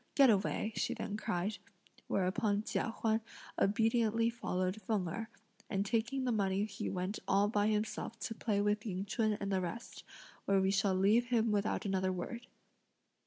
Get away," she then cried; whereupon Chia Huan obediently followed Feng Erh, and taking the money he went all by himself to play with Ying Ch'un and the rest; where we shall leave him without another word.